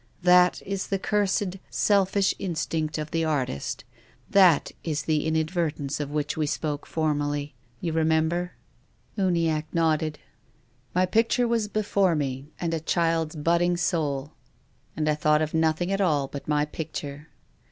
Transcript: That is the cursed, selfish instinct of the artist ; that is the inadver tence of which we spoke formerly. You remem ber ?" Uniacke nodded. " My picture was before me and a child's bud ding soul, and I thought of nothing at all but my picture.